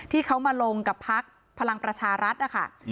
ที่เขามาลงกับพักพลังประชารัฐนะคะ